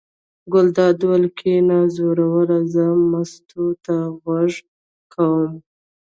ګلداد وویل: کېنه زوروره زه مستو ته غږ کوم.